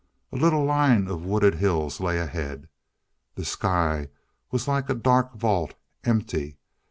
A little line of wooded hills lay ahead. The sky was like a dark vault empty.